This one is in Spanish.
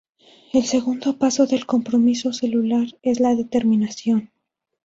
El segundo paso del compromiso celular es la determinación.